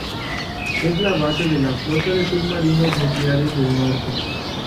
Es la base de la flota de submarinos nucleares del Norte.